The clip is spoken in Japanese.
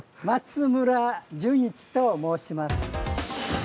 松村順一と申します。